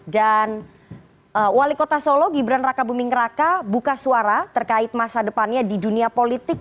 dan wali kota solo gibran raka buming raka buka suara terkait masa depannya di dunia politik